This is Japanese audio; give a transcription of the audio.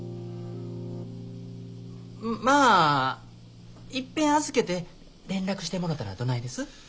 まあいっぺん預けて連絡してもろたらどないです？